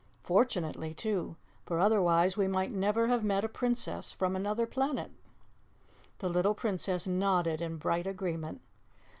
Fortunately, too, for otherwise we might never have met a Princess from Anuther Planet." The little Princess nodded in bright agreement.